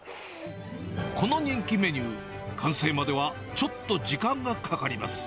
この人気メニュー、完成まではちょっと時間がかかります。